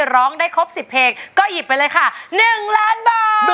ร้องได้ครบ๑๐เพลงก็หยิบไปเลยค่ะ๑ล้านบาท